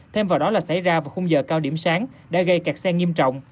thêm vào đó là xảy ra vào khung giờ cao điểm sáng đã gây cạt sen nghiêm trọng